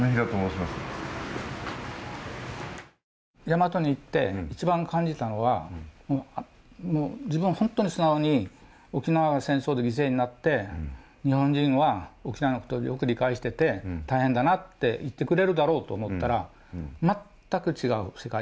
ヤマトに行って一番感じたのは、自分は本当に素直に沖縄は戦争で犠牲になって、日本人は、沖縄のことをよく理解していて、大変だなって言ってくれるだろうと思ったら、全く違う世界。